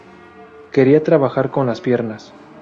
Quería trabajar con las piernas.